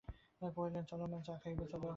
কহিলেন, চলো মা, চা খাইবে চলো।